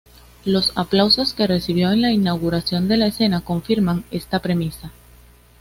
Los aplausos que recibió en la inauguración de la escena confirman esta premisa.